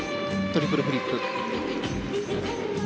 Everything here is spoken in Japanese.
トリプルフリップ。